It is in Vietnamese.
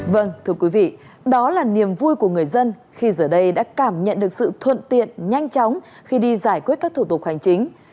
vâng thưa quý vị đó là niềm vui của người dân khi giờ đây đã cảm nhận được sự thuận tiện nhanh chóng khi đi giải quyết các thủ tục hành chính